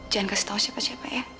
jangan kasih tahu siapa siapa ya